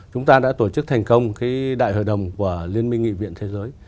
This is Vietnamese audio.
chúng ta đã tổ chức thành công đại hội đồng của liên minh nghị viện thế giới